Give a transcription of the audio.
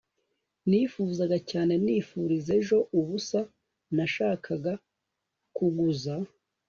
nifuzaga cyane nifuriza ejo; ubusa nashakaga kuguza